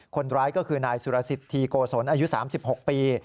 คนร้ายก็คือนายสุรสิทธิโกศลอายุ๓๖ปี